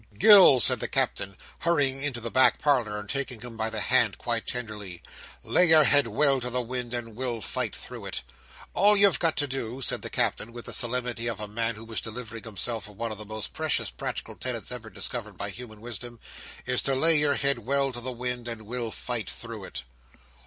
"Gills!" said the Captain, hurrying into the back parlour, and taking him by the hand quite tenderly. "Lay your head well to the wind, and we'll fight through it. All you've got to do," said the Captain, with the solemnity of a man who was delivering himself of one of the most precious practical tenets ever discovered by human wisdom, "is to lay your head well to the wind, and we'll fight through it!"